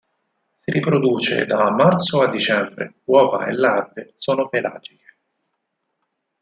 Si riproduce da marzo a dicembre, uova e larve sono pelagiche.